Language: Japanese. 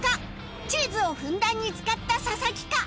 チーズをふんだんに使った佐々木か？